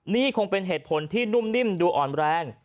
นี่คงเป็นเหตุผลที่นุ่มนิ่มดูอ่อนแรง